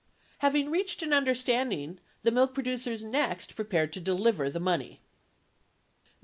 78 Having reached an understanding, the milk producers next prepared to deliver the money.